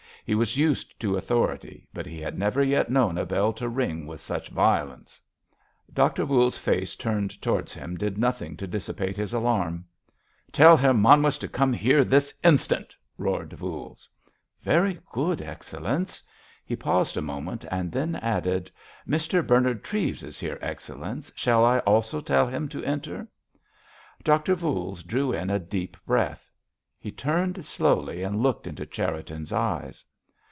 He was used to authority, but he had never yet known a bell to ring with such violence. Doctor Voules's face turned towards him did nothing to dissipate his alarm. "Tell Herr Manwitz to come here this instant," roared Voules. "Very good, Excellenz." He paused a moment, then added: "Mr. Bernard Treves is here, Excellenz. Shall I also tell him to enter?" Doctor Voules drew in a deep breath. He turned slowly and looked into Cherriton's eyes.